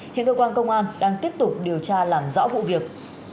hiện cơ quan công an đang tiếp tục điều tra làm rõ vụ việc